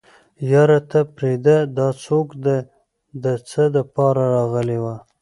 يره ته پرېده دا څوک ده د څه دپاره راغلې وه.